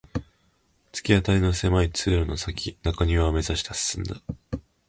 突き当たりの狭い通路の先の中庭を目指して進んだ